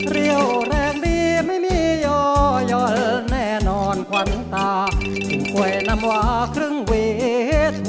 เรียวแรงดีไม่มีย่อยย่อนแน่นอนควันตาถึงกล่วยน้ำหวาครึ่งเวทุกวัน